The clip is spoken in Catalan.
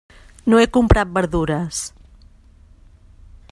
No he comprat verdures.